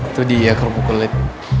itu dia kerupuk kulit